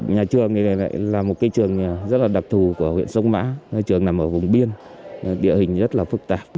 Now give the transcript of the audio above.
nhà trường này là một trường rất đặc thù của huyện sông mã trường nằm ở vùng biên địa hình rất phức tạp